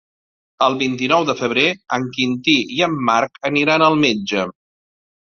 El vint-i-nou de febrer en Quintí i en Marc aniran al metge.